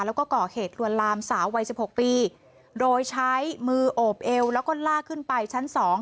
แล้วก็ก่อเหตุลวนลามสาววัยสิบหกปีโดยใช้มือโอบเอวแล้วก็ลากขึ้นไปชั้นสอง